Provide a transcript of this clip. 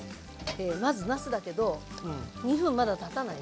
まずなすだけど２分まだたたない？